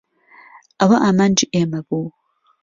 ئەوە ئامانجی ئێمە بوو.